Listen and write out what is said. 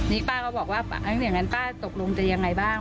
นี่ป้าก็บอกว่าอย่างนั้นป้าตกลงจะยังไงบ้าง